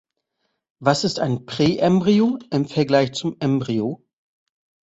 Was ist ein Präembryo im Vergleich zum Embryo?